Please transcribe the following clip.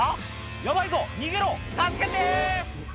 「ヤバいぞ逃げろ助けて！」